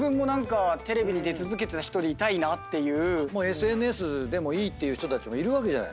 ＳＮＳでもいいっていう人たちもいるわけじゃない。